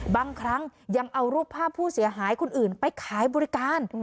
บางครั้งยังเอารูปภาพผู้เสียหายคนอื่นไปขายบริการ